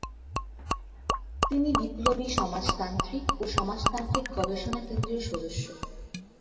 তিনি বিপ্লবী সমাজতান্ত্রিক ও সমাজতান্ত্রিক গবেষণা কেন্দ্রের সদস্য।